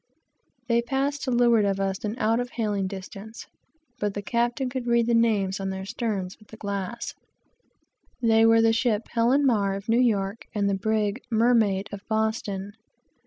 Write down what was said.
They passed to leeward of us, and out of hailing distance; but the captain could read the names on their sterns with the glass. They were the ship Helen Mar, of New York, and the brig Mermaid, of Boston.